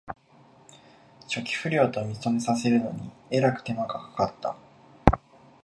初期不良と認めさせるのにえらく手間がかかった